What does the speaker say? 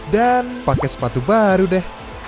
dan pakai sepatu baru deh